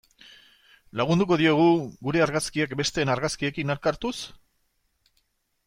Lagunduko diegu gure argazkiak besteen argazkiekin elkartuz?